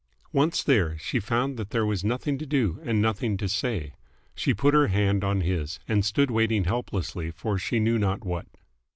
Once there, she found that there was nothing to do and nothing to say. She put her hand on his, and stood waiting helplessly for she knew not what.